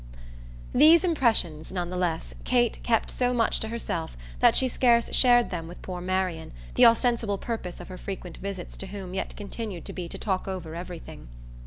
These impressions, none the less, Kate kept so much to herself that she scarce shared them with poor Marian, the ostensible purpose of her frequent visits to whom yet continued to be to talk over everything.